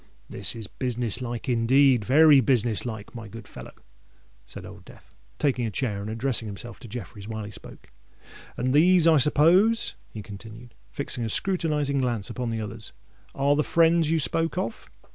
"This is business like indeed—very business like, my good fellow," said Old Death, taking a chair, and addressing himself to Jeffreys while he spoke. "And these, I suppose," he continued, fixing a scrutinizing glance upon the others, "are the friends you spoke of."